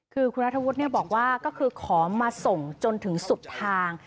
คุณรัฐวุธบอกว่าก็คือขอมาส่งจนถึงสุดทาง